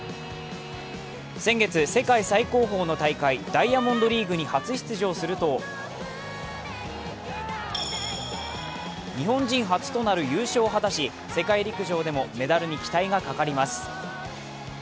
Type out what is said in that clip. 先月、世界最高峰の大会、ダイヤモンドリーグに初出場すると日本人初となる優勝を果たし、世界陸上でもメダルに期待がかかります。